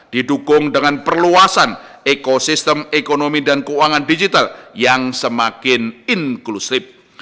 didukung dengan perluasan ekosistem ekonomi dan keuangan digital yang semakin inklusif